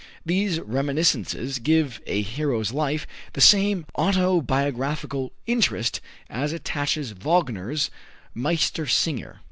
These reminiscences give "A Hero's Life" the same autobiographical interest as attaches to Wagner's "Meistersinger."